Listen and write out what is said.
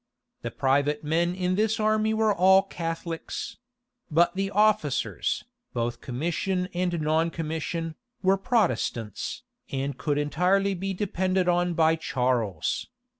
The private men in this army were all Catholics; but the officers, both commission and non commission, were Protestants, and could entirely be depended on by Charles.